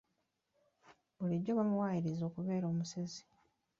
Bulijjo bamuwaayiriza okubeera omusezi.